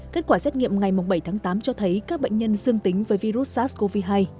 kết quả xét nghiệm ngày bảy tháng tám cho thấy các bệnh nhân dương tính với virus sars cov hai